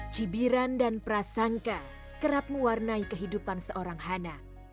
cibiran dan prasangka kerap mewarnai kehidupan seorang hana